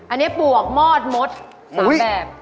อันนี้ปวกมอดมด๓แบบ